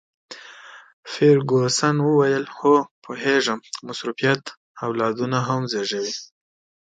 فرګوسن وویل: هو، پوهیږم، مصروفیت اولادونه هم زیږوي.